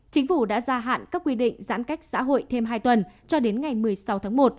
chính phủ đã gia hạn các quy định giãn cách xã hội thêm hai tuần cho đến ngày một mươi sáu tháng một